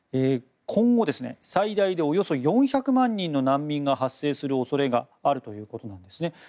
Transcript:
今後、最大でおよそ４００万人の難民が発生する恐れがあるということなんですね。